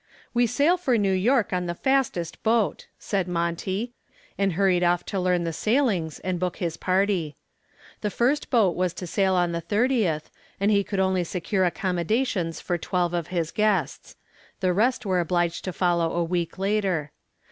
"We sail for New York on the fastest boat," said Monty, and hurried off to learn the sailings and book his party. The first boat was to sail on the 30th and he could only secure accommodations for twelve of his guests. The rest were obliged to follow a week later.